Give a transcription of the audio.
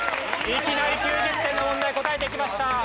いきなり９０点の問題答えていきました。